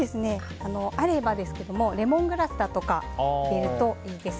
あればですけどレモングラスだとかを入れるといいです。